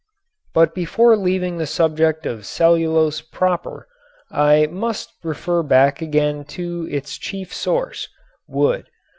But before leaving the subject of cellulose proper I must refer back again to its chief source, wood.